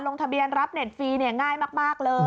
ลงทะเบียนรับเน็ตฟรีเนี่ยง่ายมากเลย